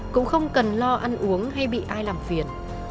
cũng không cần lo ăn uống hay bị ai làm phiền